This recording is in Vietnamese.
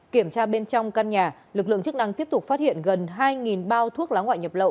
kiểm tra bên trong căn nhà lực lượng chức năng tiếp tục phát hiện gần hai bao thuốc lá ngoại nhập lậu